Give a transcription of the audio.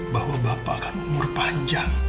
bahwa bapak kan umur panjang